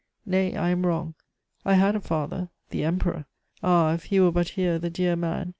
Nay, I am wrong! I had a father the Emperor! Ah! if he were but here, the dear man!